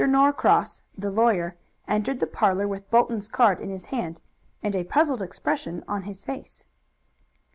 Norcross, the lawyer, entered the parlor with Bolton's card in his hand, and a puzzled expression on his face.